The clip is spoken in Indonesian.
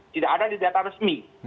tidak ada di data resmi